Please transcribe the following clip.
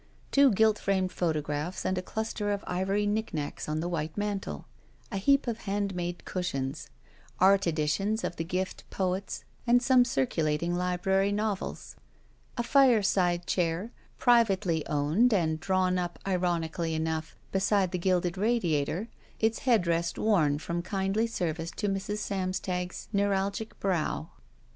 Two gilt framed photographs and a cluster of ivory knickknacks on the white mantel. A heap of handmade cushions. Art editions of the 20 SHE WALKS IN BEAUTY gift poets and some circulating library novels. A fireside chair, privately owned and drawn up, ironically enough, beside the gilded radiator, its headrest worn from kindly SCTvice to Mrs. Samstag's neuralgic brow.